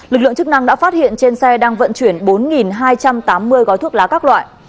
lực lượng chức năng đã phát hiện trên xe đang vận chuyển bốn hai trăm tám mươi gói thuốc lá các loại